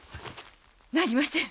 なりません！